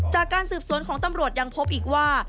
จากการสืบสวนของตำรวจยังพบอีกว่า